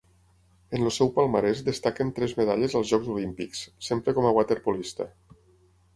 En el seu palmarès destaquen tres medalles als Jocs Olímpics, sempre com a waterpolista.